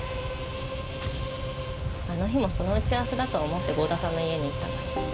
あの日もその打ち合わせだと思って郷田さんの家に行ったのに。